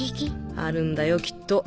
あるんだよきっと。